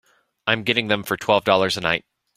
I'm getting them for twelve dollars a night.